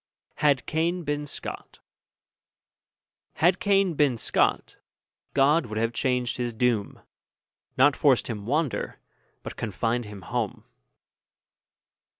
HAD CAIN BEEN SCOT Had Cain been Scot, God would have changed his doom, Not forced him wander, but confined him home.